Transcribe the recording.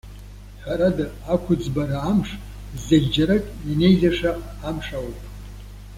Ҳәарада, ақәыӡбара амш, зегьы џьарак ианеизаша амш ауп.